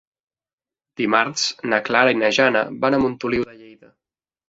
Dimarts na Clara i na Jana van a Montoliu de Lleida.